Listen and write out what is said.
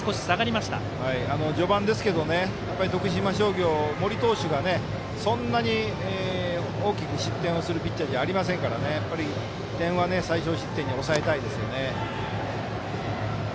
序盤ですけど徳島商業、森投手がそんなに大きく失点するピッチャーじゃありませんからやっぱり点は最少失点に抑えたいですよね。